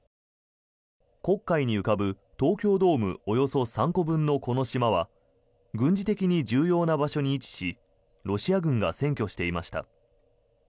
黒海に浮かぶ東京ドームおよそ３個分のこの島は軍事的に重要な場所に位置しロシア軍が占拠していました。